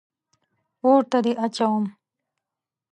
اور ته دې اچوم.